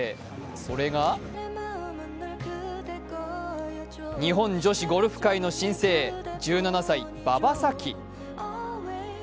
それが日本女子ゴルフ界の新星１７歳、馬場咲希。